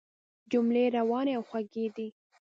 جملې روانې او خوږې دي.